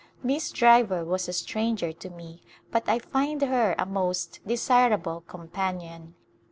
Miss Driver was a stranger to me but I find her a most desirable companion.